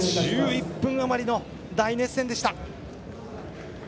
１１分あまりの大熱戦でした。